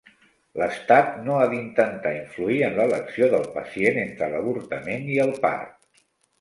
L'estat no ha d'intentar influir en l'elecció del pacient entre l'avortament i el part.